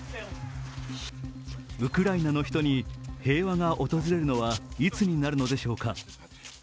ウクライナの人に平和が訪れるのはいつになるのでしょうか。